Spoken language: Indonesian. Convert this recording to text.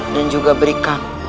dan juga berikan